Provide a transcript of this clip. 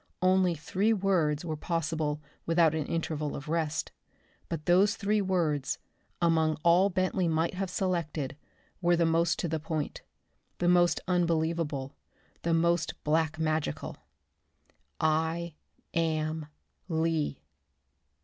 Only three words were possible without an interval of rest, but those three words, among all Bentley might have selected, were the most to the point, the most unbelievable, the most black magical. _"I am Lee!"